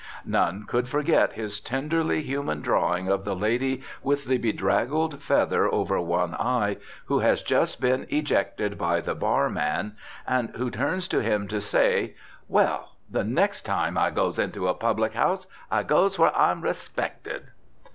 None could forget his tenderly human drawing of the lady with the bedraggled feather over one eye who has just been ejected by the bar man, and who turns to him to say: "Well, the next time I goes into a public house, I goes where I'm respected!"